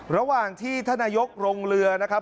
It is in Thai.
ระหว่างที่ท่านนายกลงเรือนะครับ